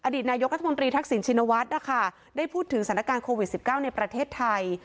นายกรัฐมนตรีทักษิณชินวัฒน์นะคะได้พูดถึงสถานการณ์โควิด๑๙ในประเทศไทย